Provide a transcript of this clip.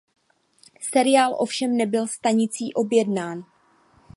Seriál ovšem nebyl stanici objednán.